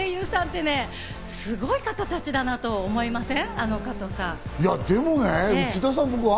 本当に声優さんってね、すごい方たちだなと思いません？